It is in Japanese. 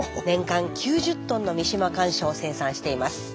年間９０トンの三島甘藷を生産しています。